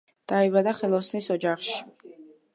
დაიბადა ხელოსნის ოჯახში.